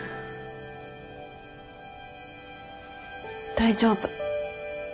大丈夫。